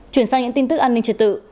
chuyển sang những tin tức an ninh trật tự